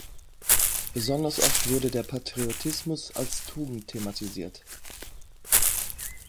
Besonders oft wurde der Patriotismus als Tugend thematisiert.